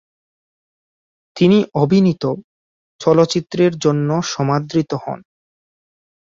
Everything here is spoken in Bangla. তিনি অভিনীত চলচ্চিত্রের জন্য সমাদৃত হন।